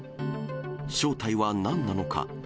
正体はなんなのか。